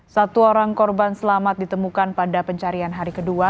satu orang korban selamat ditemukan pada pencarian hari kedua